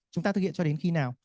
chúng ta thực hiện cho đến khi nào